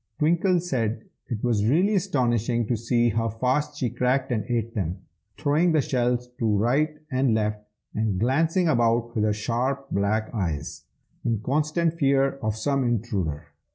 Twinkle said it was really astonishing to see how fast she cracked and ate them, throwing the shells to right and left, and glancing about with her sharp black eyes, in constant fear of some intruder.